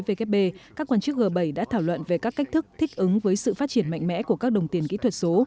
vkp các quan chức g bảy đã thảo luận về các cách thức thích ứng với sự phát triển mạnh mẽ của các đồng tiền kỹ thuật số